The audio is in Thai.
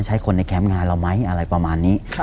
ใช้คนในแคมป์งานเราไหมอะไรประมาณนี้